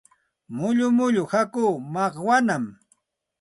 Mullu mullu hakuu makwanaami.